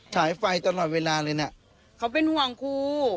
ฉายไฟตลอดเวลาเลยน่ะเขาเป็นห่วงครู